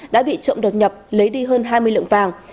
đã bị trộm đột nhập lấy đi hơn hai mươi lượng vàng